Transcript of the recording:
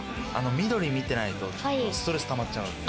緑見てないとストレスたまっちゃうんで。